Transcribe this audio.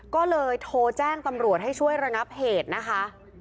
ก็เลยโทรแจ้งตำรวจให้ช่วยระงับเหตุนะคะ